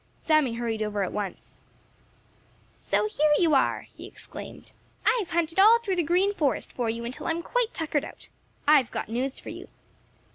Sammy hurried over at once. "So here you are!" he exclaimed. "I've hunted all through the Green Forest for you until I'm quite tuckered out. I've got news for you."